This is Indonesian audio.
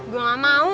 gue gak mau